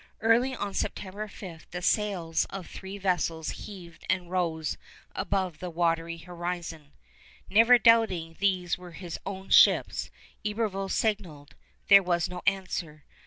Early on September 5 the sails of three vessels heaved and rose above the watery horizon. Never doubting these were his own ships, Iberville signaled. There was no answer.